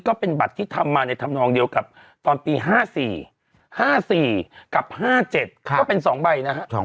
ก็เป็นบัตรที่ทำมาในธรรมนองเดียวกับตอนปี๕๔๕๔กับ๕๗ก็เป็น๒ใบนะฮะ